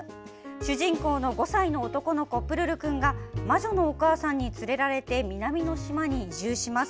主人公の５歳の男の子プルルくんが魔女のお母さんに連れられて南の島に移住します。